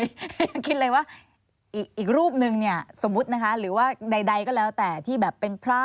ยังคิดเลยว่าอีกรูปนึงเนี่ยสมมุตินะคะหรือว่าใดก็แล้วแต่ที่แบบเป็นพระ